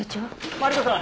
マリコさん！